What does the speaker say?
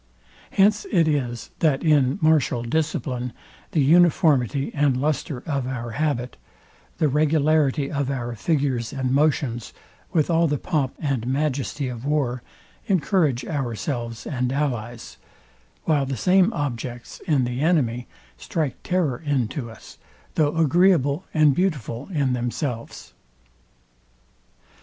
Hence it is that in martial discipline, the uniformity and lustre of our habit, the regularity of our figures and motions, with all the pomp and majesty of war, encourage ourselves and allies; while the same objects in the enemy strike terror into us, though agreeable and beautiful in themselves.